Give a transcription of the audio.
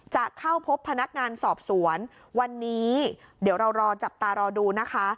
จะเข้าพบพนักงานสอบสวนวันนี้เดี๋ยวเรารอจับตารอดูนะคะ